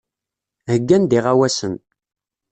Heyyan-d iɣawasen.